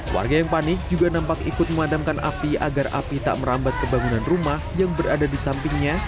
warga yang panik juga nampak ikut memadamkan api agar api tak merambat ke bangunan rumah yang berada di sampingnya